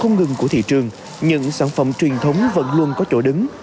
không ngừng của thị trường những sản phẩm truyền thống vẫn luôn có chỗ đứng